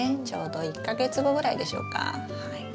ちょうど１か月後ぐらいでしょうか。